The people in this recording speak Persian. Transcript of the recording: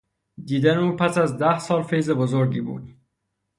دیدن او پس از ده سال فیض بزرگی بود.